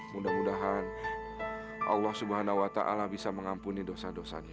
mudah mudahan allah subhanahu wa ta'ala bisa mengampuni dosa dosanya